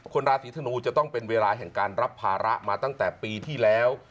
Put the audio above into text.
ราศีธนูจะต้องเป็นเวลาแห่งการรับภาระมาตั้งแต่ปีที่แล้ว